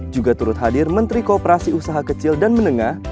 juga turut hadir menteri kooperasi usaha kecil dan menengah